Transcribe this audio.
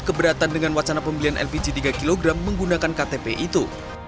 keberatan dengan wacana pembelian lpg tiga kg menggunakan ktp itu